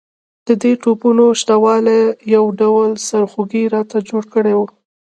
د دې توپونو شته والی یو ډول سرخوږی راته جوړ کړی وو.